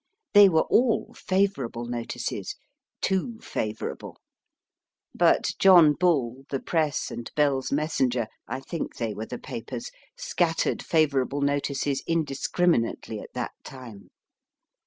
They were all favour able notices too favourable ; but John Bull, The Press, and Bell s Messenger (I think they were the papers) scattered favourable notices indiscriminately at that time.